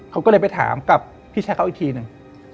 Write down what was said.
เขาก็เลยไปถามกับพี่ชายเขาอีกทีหนึ่ง